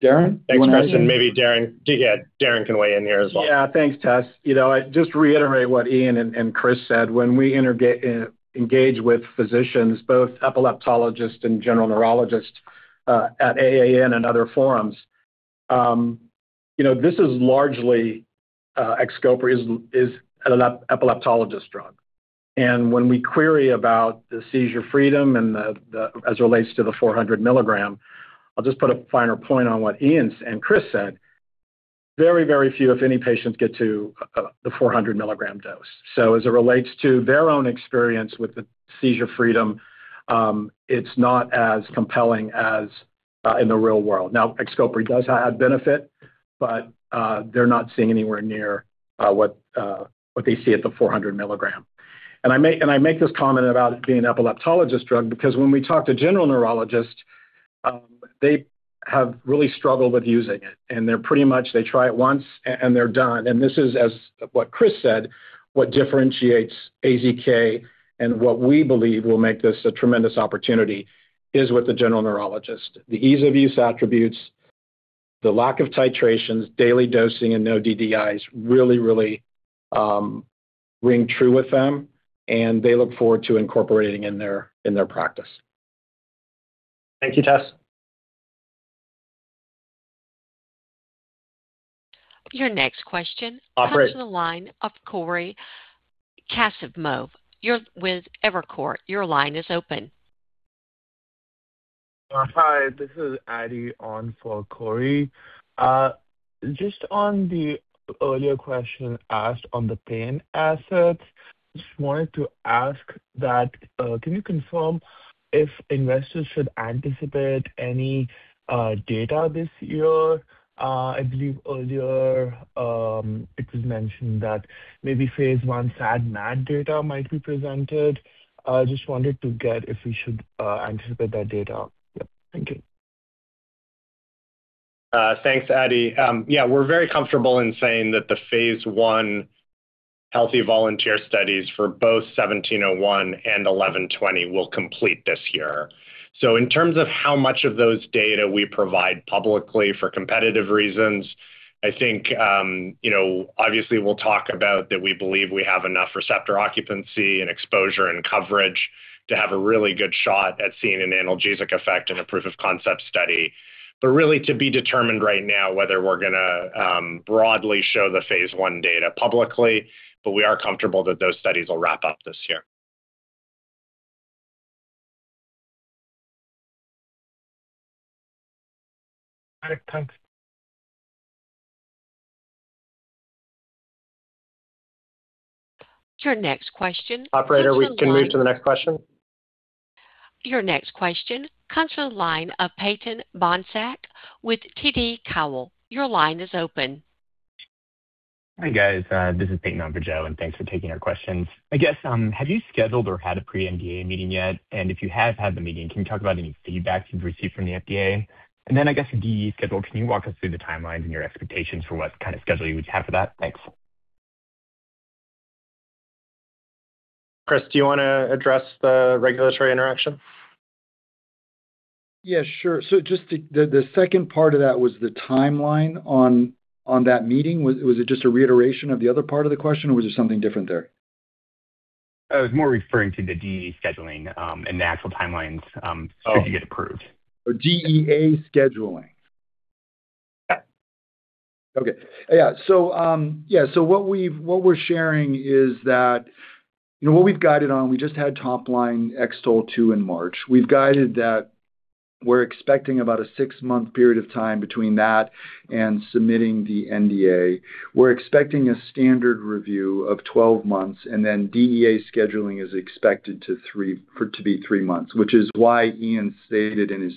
Darren, you wanna add anything? Thanks, Chris. Maybe Yeah, Darren can weigh in here as well. Thanks, Tess. You know, I'd just reiterate what Ian and Chris said. When we engage with physicians, both epileptologists and general neurologists, at AAN and other forums, you know, this is largely, XCOPRI is an epileptologist drug. When we query about the seizure freedom and as it relates to the 400 mg, I'll just put a finer point on what Ian and Chris said, very few, if any, patients get to the 400 mg dose. As it relates to their own experience with the seizure freedom, it's not as compelling as in the real world. Now, XCOPRI does have benefit, but they're not seeing anywhere near what they see at the 400 mg. I make this comment about it being an epileptologist drug because when we talk to general neurologists, they have really struggled with using it. They're pretty much they try it once and they're done. This is, as what Chris said, what differentiates AZK and what we believe will make this a tremendous opportunity is with the general neurologist. The ease-of-use attributes, the lack of titrations, daily dosing, and no DDIs really ring true with them, and they look forward to incorporating in their practice. Thank you, Tess. Your next question. Operator. Comes from the line of Cory Kasimov. You're with Evercore. Your line is open. Hi, this is Addy on for Cory. Just on the earlier question asked on the pain assets, just wanted to ask that, can you confirm if investors should anticipate any data this year? I believe earlier, it was mentioned that maybe phase I SAD/MAD data might be presented. Just wanted to get if we should anticipate that data. Yeah. Thank you. Thanks, Addy. Yeah, we're very comfortable in saying that the phase I healthy volunteer studies for both XEN1701 and XEN1120 will complete this year. In terms of how much of those data we provide publicly for competitive reasons, I think, you know, obviously we'll talk about that we believe we have enough receptor occupancy and exposure and coverage to have a really good shot at seeing an analgesic effect in a proof of concept study. Really to be determined right now whether we're gonna broadly show the phase I data publicly. We are comfortable that those studies will wrap up this year. Your next question comes from the line. Operator, we can move to the next question. Your next question comes from the line of Peyton Bohnsack with TD Cowen. Your line is open. Hi, guys. This is Peyton on for Joe, and thanks for taking our questions. Have you scheduled or had a pre-NDA meeting yet? If you have had the meeting, can you talk about any feedback you've received from the FDA? DEA schedule, can you walk us through the timelines and your expectations for what kind of schedule you would have for that? Thanks. Chris, do you wanna address the regulatory interaction? Yeah, sure. The second part of that was the timeline on that meeting. Was it just a reiteration of the other part of the question, or was there something different there? I was more referring to the DEA scheduling and the actual timelines. Oh. To get approved. Oh, DEA scheduling. Yeah. What we're sharing is that, you know, what we've guided on, we just had top line X-TOLE2 in March. We've guided that we're expecting about a six-month period of time between that and submitting the NDA. We're expecting a standard review of 12 months, and then DEA scheduling is expected for it to be three months, which is why Ian stated in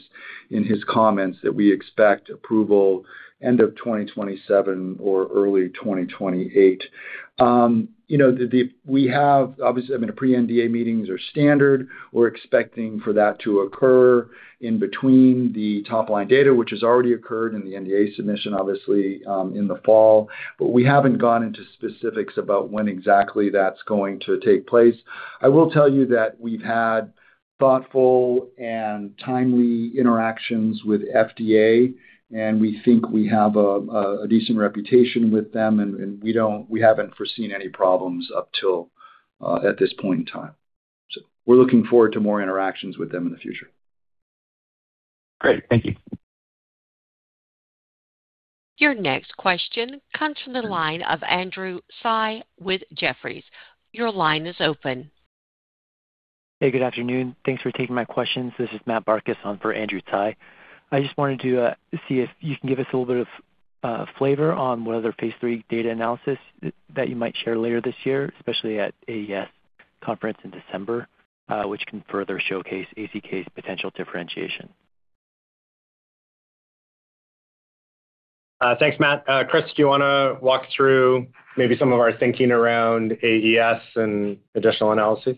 his comments that we expect approval end of 2027 or early 2028. You know, we have, obviously, I mean, pre-NDA meetings are standard. We're expecting for that to occur in between the top-line data, which has already occurred in the NDA submission, obviously, in the fall. We haven't gone into specifics about when exactly that's going to take place. I will tell you that we've had thoughtful and timely interactions with FDA. We think we have a decent reputation with them. We haven't foreseen any problems up till at this point in time. We're looking forward to more interactions with them in the future. Great. Thank you. Your next question comes from the line of Andrew Tsai with Jefferies. Your line is open. Hey, good afternoon. Thanks for taking my questions. This is Matt Barcus on for Andrew Tsai. I just wanted to see if you can give us a little bit of flavor on what other phase III data analysis that you might share later this year, especially at AES conference in December, which can further showcase AZK's potential differentiation. Thanks, Matt. Chris, do you wanna walk through maybe some of our thinking around AES and additional analysis?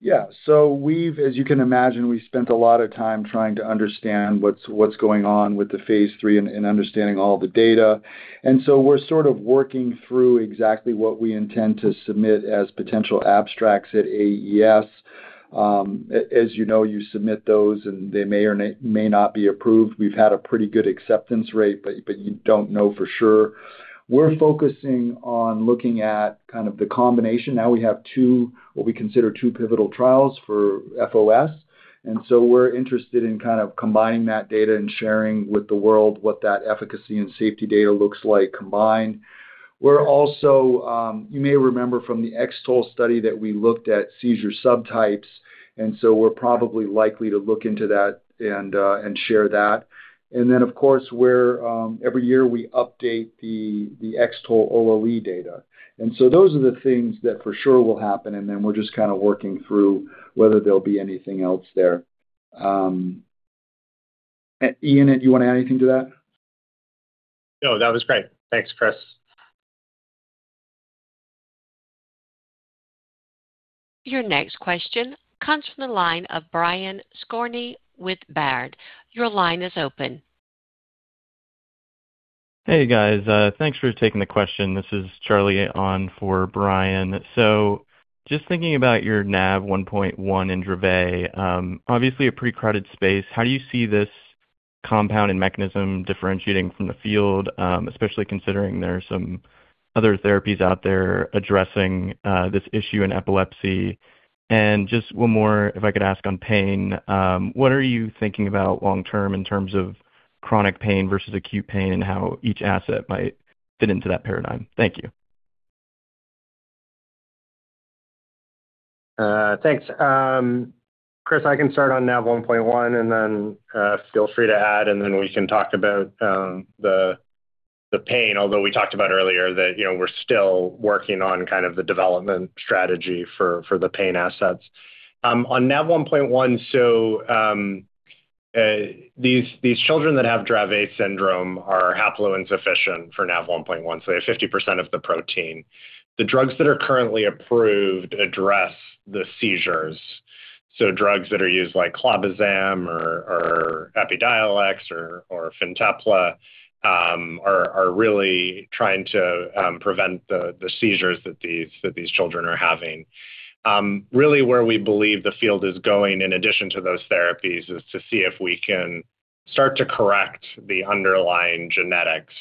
Yeah. As you can imagine, we've spent a lot of time trying to understand what's going on with the phase III and understanding all the data. We're sort of working through exactly what we intend to submit as potential abstracts at AES. As you know, you submit those, and they may or may not be approved. We've had a pretty good acceptance rate, but you don't know for sure. We're focusing on looking at kind of the combination. Now we have two, what we consider two pivotal trials for FOS. We're interested in kind of combining that data and sharing with the world what that efficacy and safety data looks like combined. We're also, you may remember from the X-TOLE2 study that we looked at seizure subtypes, we're probably likely to look into that and share that. Of course, we're every year we update the X-TOLE OLE data. Those are the things that for sure will happen, then we're just kinda working through whether there'll be anything else there. Ian, do you wanna add anything to that? No, that was great. Thanks, Chris. Your next question comes from the line of Brian Skorney with Baird. Your line is open. Hey, guys. Thanks for taking the question. This is Charlie on for Brian. Just thinking about your NaV1.1 in Dravet, obviously a pretty crowded space. How do you see this compound and mechanism differentiating from the field, especially considering there are some other therapies out there addressing this issue in epilepsy? Just one more, if I could ask on pain, what are you thinking about long term in terms of chronic pain versus acute pain and how each asset might fit into that paradigm? Thank you. Thanks. Chris, I can start on NaV1.1, feel free to add, then we can talk about the pain. Although we talked about earlier that, you know, we're still working on kind of the development strategy for the pain assets. On NaV1.1, these children that have Dravet syndrome are haploinsufficient for NaV1.1, so they have 50% of the protein. The drugs that are currently approved address the seizures. Drugs that are used like clobazam or EPIDIOLEX or FINTEPLA, are really trying to prevent the seizures that these children are having. Really where we believe the field is going in addition to those therapies is to see if we can start to correct the underlying genetics.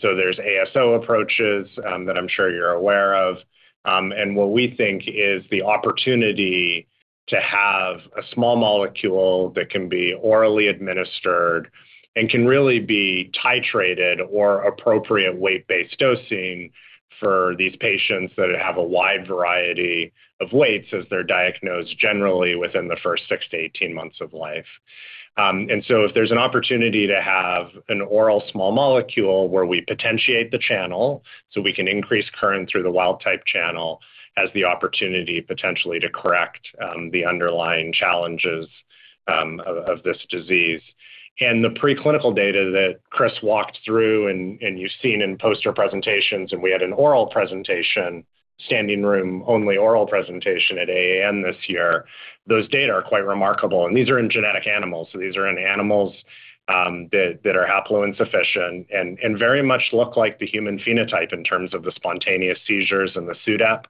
So there's ASO approaches that I'm sure you're aware of. What we think is the opportunity to have a small molecule that can be orally administered and can really be titrated or appropriate weight-based dosing for these patients that have a wide variety of weights as they're diagnosed generally within the first six to 18 months of life. If there's an opportunity to have an oral small molecule where we potentiate the channel so we can increase current through the wild type channel as the opportunity potentially to correct the underlying challenges of this disease. The preclinical data that Chris walked through and you've seen in poster presentations, we had an oral presentation, standing room only oral presentation at AAN this year. Those data are quite remarkable. These are in genetic animals. These are in animals that are haploinsufficient and very much look like the human phenotype in terms of the spontaneous seizures and the SUDEP.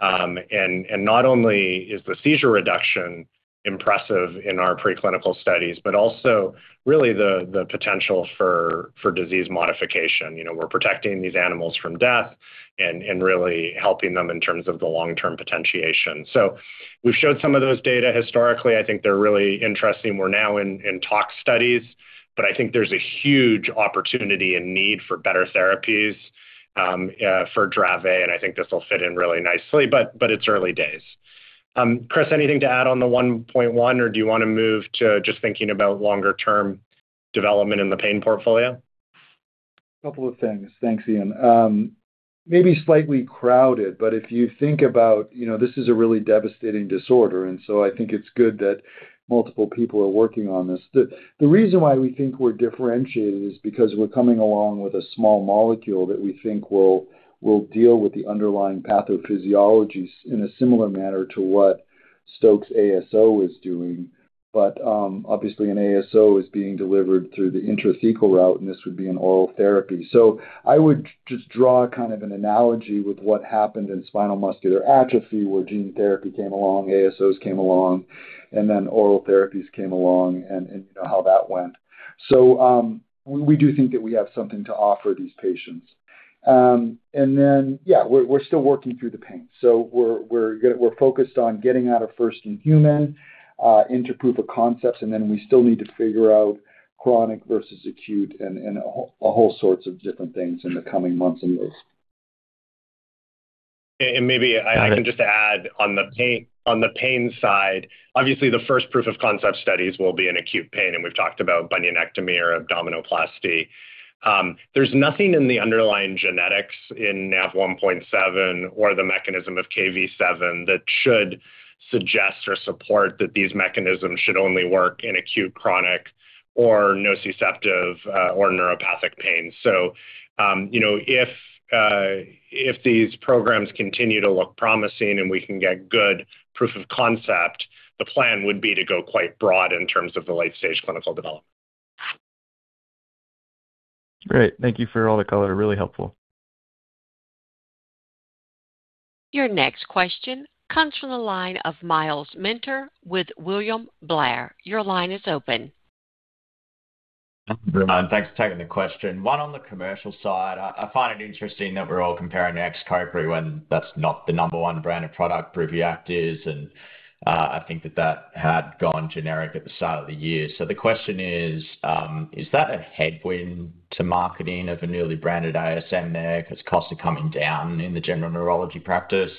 And not only is the seizure reduction impressive in our preclinical studies, but also really the potential for disease modification. You know, we're protecting these animals from death and really helping them in terms of the long-term potentiation. We've showed some of those data historically. I think they're really interesting. We're now in tox studies, but I think there's a huge opportunity and need for better therapies, for Dravet, and I think this will fit in really nicely. It's early days. Chris, anything to add on the NaV1.1, or do you wanna move to just thinking about longer-term development in the pain portfolio? A couple of things. Thanks, Ian. Maybe slightly crowded, but if you think about, you know, this is a really devastating disorder, and so I think it's good that multiple people are working on this. The reason why we think we're differentiated is because we're coming along with a small molecule that we think will deal with the underlying pathophysiology in a similar manner to what Stoke's ASO is doing. Obviously an ASO is being delivered through the intrathecal route, and this would be an oral therapy. I would just draw kind of an analogy with what happened in spinal muscular atrophy, where gene therapy came along, ASOs came along, and then oral therapies came along, and you know how that went. We do think that we have something to offer these patients. Yeah, we're still working through the pain. We're focused on getting out of first in human, into proof of concepts, and then we still need to figure out chronic versus acute and, a whole sorts of different things in the coming months in this. Maybe I can just add on the pain, on the pain side. Obviously, the first proof of concept studies will be in acute pain, and we've talked about bunionectomy or abdominoplasty. There's nothing in the underlying genetics in NaV1.7 or the mechanism of Kv7 that should suggest or support that these mechanisms should only work in acute, chronic, or nociceptive, or neuropathic pain. You know, if these programs continue to look promising and we can get good proof of concept, the plan would be to go quite broad in terms of the late-stage clinical development. Great. Thank you for all the color. Really helpful. Your next question comes from the line of Myles Minter with William Blair. Your line is open. Thanks for taking the question. One on the commercial side. I find it interesting that we're all comparing XCOPRI when that's not the number one brand of product BRIVIACT is. I think that that had gone generic at the start of the year. The question is that a headwind to marketing of a newly branded ASM there 'cause costs are coming down in the general neurology practice?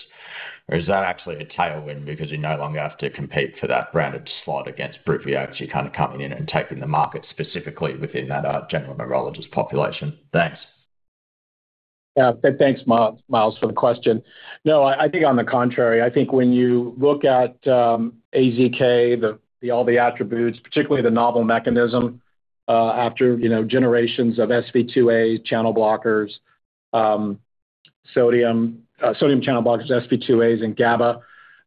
Or is that actually a tailwind because you no longer have to compete for that branded slot against BRIVIACT, you're kind of coming in and taking the market specifically within that general neurologist population? Thanks. Yeah. Thanks, Myles, for the question. No, I think on the contrary. I think when you look at AZK, the all the attributes, particularly the novel mechanism, after, you know, generations of SV2A channel blockers, sodium channel blockers, SV2As and GABA,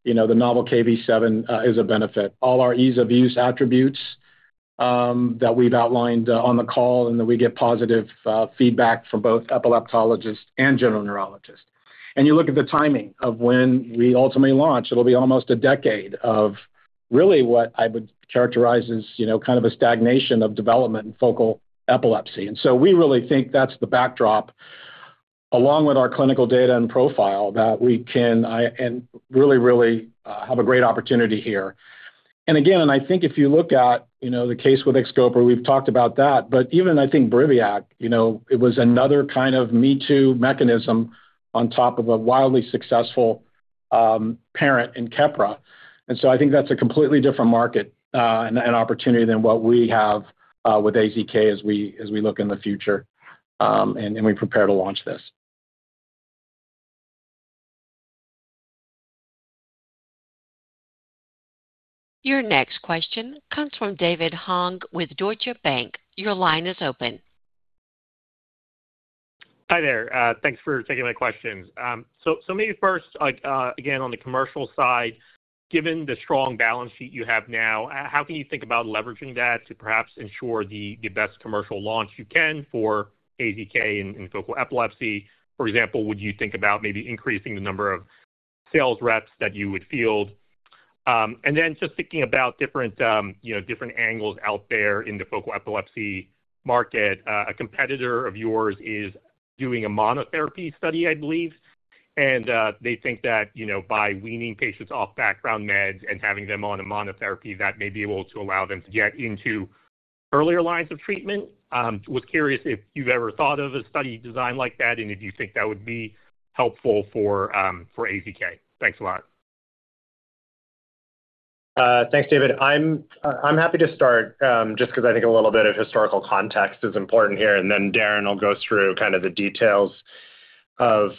you know, the novel Kv7, is a benefit. All our ease-of-use attributes that we've outlined on the call and that we get positive feedback from both epileptologists and general neurologists. You look at the timing of when we ultimately launch. It'll be almost a decade of really what I would characterize as, you know, kind of a stagnation of development in focal epilepsy. So we really think that's the backdrop, along with our clinical data and profile, that we can and really have a great opportunity here. Again, I think if you look at, you know, the case with XCOPRI, we've talked about that, but even I think BRIVIACT, you know, it was another kind of me-too mechanism on top of a wildly successful parent in Keppra. I think that's a completely different market and an opportunity than what we have with AZK as we look in the future, and then we prepare to launch this. Your next question comes from David Hong with Deutsche Bank. Your line is open. Hi there. Thanks for taking my questions. Maybe first, like, again, on the commercial side, given the strong balance sheet you have now, how can you think about leveraging that to perhaps ensure the best commercial launch you can for AZK in focal epilepsy? For example, would you think about maybe increasing the number of sales reps that you would field? Just thinking about different, you know, different angles out there in the focal epilepsy market, a competitor of yours is doing a monotherapy study, I believe. They think that, you know, by weaning patients off background meds and having them on a monotherapy, that may be able to allow them to get into earlier lines of treatment. I was curious if you've ever thought of a study design like that, and if you think that would be helpful for AZK. Thanks a lot. Thanks, David. I'm happy to start, just because I think a little bit of historical context is important here. Darren will go through kind of the details of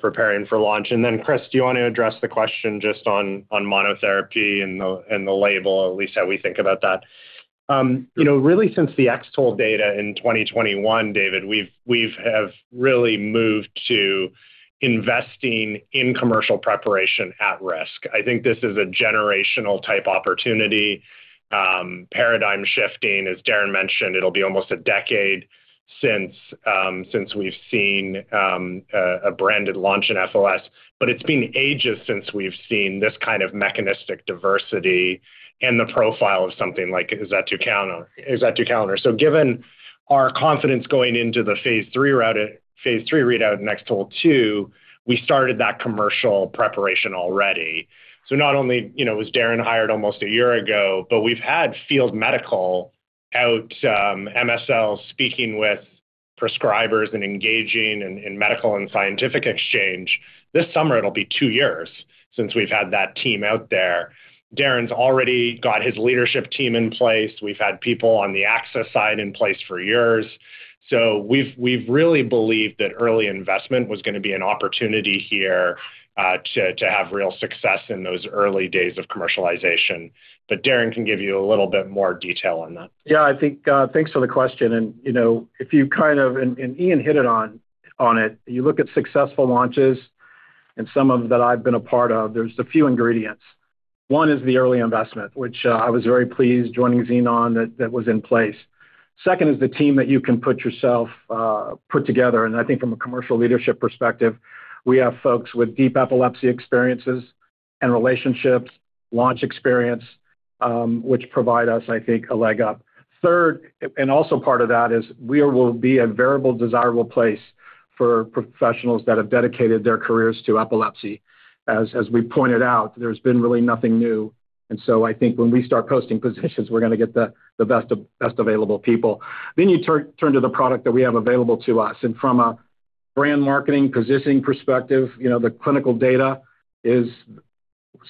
preparing for launch. Chris, do you want to address the question just on monotherapy and the label, at least how we think about that? You know, really since the X-TOLE2 data in 2021, David, we've really moved to investing in commercial preparation at risk. I think this is a generational type opportunity, paradigm shifting. As Darren mentioned, it'll be almost a decade since we've seen a branded launch in FOS. It's been ages since we've seen this kind of mechanistic diversity and the profile of something like azetukalner. Given our confidence going into the phase III readout in X-TOLE2, we started that commercial preparation already. Not only, you know, was Darren hired almost a year ago, but we've had field medical out, MSLs speaking with prescribers and engaging in medical and scientific exchange. This summer it'll be two years since we've had that team out there. Darren's already got his leadership team in place. We've had people on the access side in place for years. We've really believed that early investment was gonna be an opportunity here to have real success in those early days of commercialization. Darren can give you a little bit more detail on that. I think, thanks for the question. You know, if you kind of Ian hit it on it. You look at successful launches and some of them that I've been a part of, there's a few ingredients. One is the early investment, which I was very pleased joining Xenon that was in place. Second is the team that you can put yourself, put together. I think from a commercial leadership perspective, we have folks with deep epilepsy experiences and relationships, launch experience, which provide us, I think, a leg up. Third, and also part of that is we will be a variable desirable place for professionals that have dedicated their careers to epilepsy. As we pointed out, there's been really nothing new. I think when we start posting positions, we're going to get the best available people. You turn to the product that we have available to us. From a brand marketing positioning perspective, you know, the clinical data is,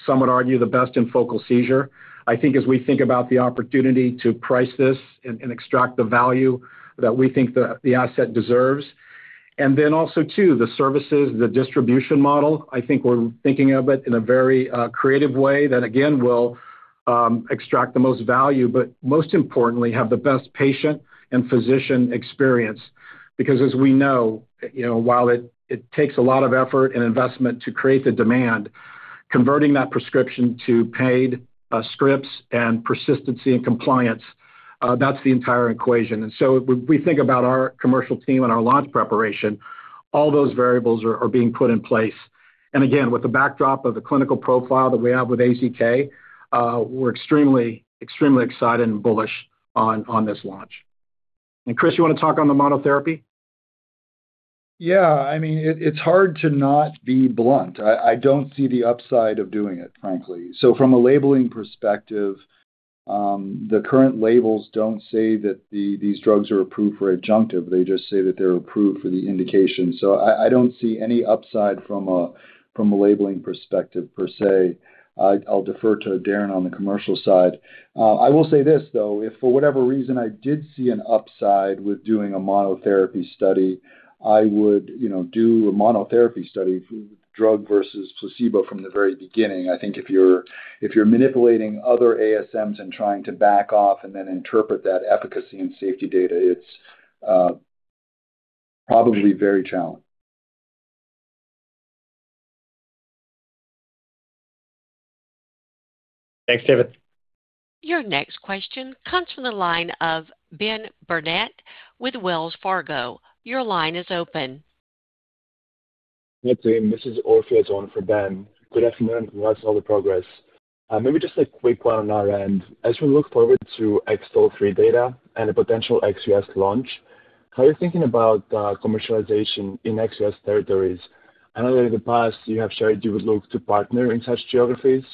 some would argue, the best in focal seizure. I think as we think about the opportunity to price this and extract the value that we think the asset deserves. Also, the services, the distribution model, I think we're thinking of it in a very creative way that again will extract the most value. Most importantly, have the best patient and physician experience. Because as we know, you know, while it takes a lot of effort and investment to create the demand, converting that prescription to paid scripts and persistency and compliance, that's the entire equation. When we think about our commercial team and our launch preparation, all those variables are being put in place. Again, with the backdrop of the clinical profile that we have with AZK, we're extremely excited and bullish on this launch. Chris, you want to talk on the monotherapy? Yeah. I mean, it's hard to not be blunt. I don't see the upside of doing it, frankly. From a labeling perspective, the current labels don't say that these drugs are approved for adjunctive. They just say that they're approved for the indication. I don't see any upside from a labeling perspective, per se. I'll defer to Darren on the commercial side. I will say this, though. If for whatever reason I did see an upside with doing a monotherapy study, I would, you know, do a monotherapy study, drug versus placebo from the very beginning. I think if you're manipulating other ASMs and trying to back off and then interpret that efficacy and safety data, it's probably very challenging. Thanks, David. Your next question comes from the line of Ben Burnett with Wells Fargo. Your line is open. Yeah, team, this is Orfeas on for Ben. Good afternoon. Congrats on all the progress. Maybe just a quick one on our end. As we look forward to X-TOLE3 data and a potential ex-U.S. launch, how are you thinking about commercialization in ex-U.S. territories? I know in the past you have shared you would look to partner in such geographies. Is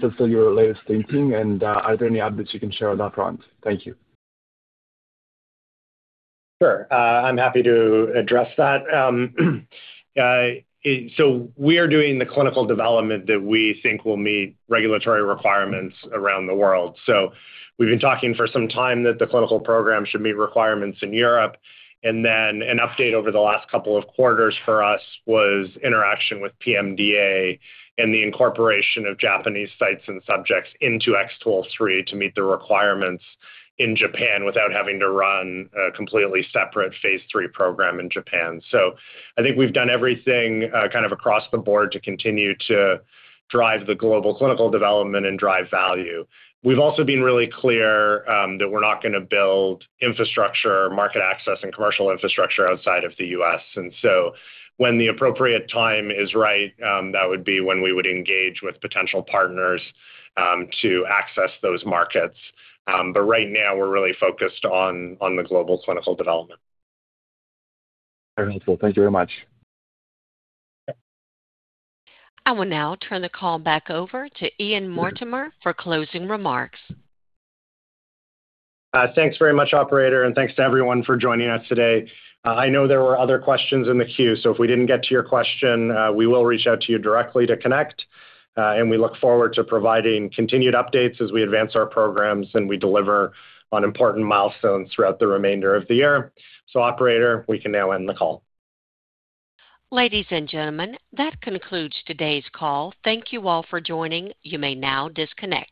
that still your latest thinking? Are there any updates you can share on that front? Thank you. Sure. I'm happy to address that. We are doing the clinical development that we think will meet regulatory requirements around the world. We've been talking for some time that the clinical program should meet requirements in Europe. An update over the last couple of quarters for us was interaction with PMDA and the incorporation of Japanese sites and subjects into X-TOLE3 to meet the requirements in Japan without having to run a completely separate phase III program in Japan. I think we've done everything, kind of across the board to continue to drive the global clinical development and drive value. We've also been really clear that we're not gonna build infrastructure, market access and commercial infrastructure outside of the U.S.. When the appropriate time is right, that would be when we would engage with potential partners to access those markets. Right now we're really focused on the global clinical development. Very helpful. Thank you very much. I will now turn the call back over to Ian Mortimer for closing remarks. Thanks very much, operator, and thanks to everyone for joining us today. I know there were other questions in the queue, if we didn't get to your question, we will reach out to you directly to connect. We look forward to providing continued updates as we advance our programs and we deliver on important milestones throughout the remainder of the year. Operator, we can now end the call. Ladies and gentlemen, that concludes today's call. Thank you all for joining. You may now disconnect.